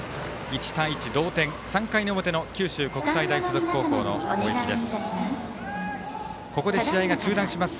１対１同点、３回の表の九州国際大付属高校の攻撃です。